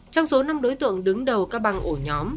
trong số năm đối tượng đứng đầu các băng ổ nhóm